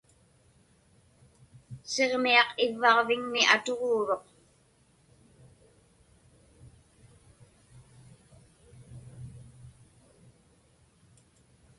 Siġmiaq ivvaġviŋmi atuġuuruq.